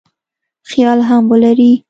خیال هم ولري.